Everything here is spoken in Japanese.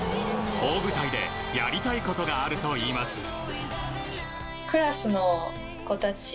大舞台でやりたいことがあるといいます。